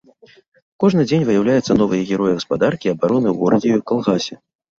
Кожны дзень выяўляюцца новыя героі гаспадаркі і абароны ў горадзе і ў калгасе.